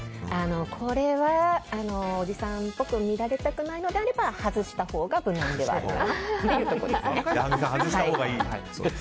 これはおじさんっぽく見られたくないのであれば外したほうが無難ではあるかなっていうところですね。